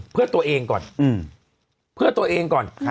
๑เพื่อตัวเองก่อน